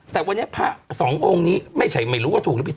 แต่วันนี้พระสององค์นี้ไม่ใช่ไม่รู้ว่าถูกหรือผิด